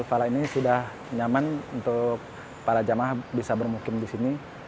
fala ini sudah nyaman untuk para jamaah bisa bermukim di sini